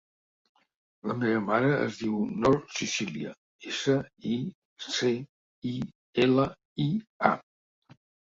La meva mare es diu Nor Sicilia: essa, i, ce, i, ela, i, a.